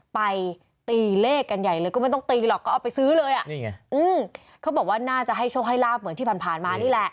ไปตีเลขกันใหญ่เลยก็ไม่ต้องตีหรอกก็เอาไปซื้อเลยอ่ะนี่ไงอืมเขาบอกว่าน่าจะให้โชคให้ลาบเหมือนที่ผ่านมานี่แหละ